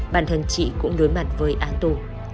bản thân chị cũng đối mặt với án tù